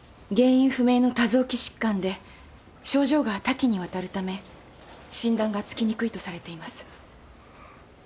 原因不明の多臓器疾患で症状が多岐にわたるため診断がつきにくいとされています。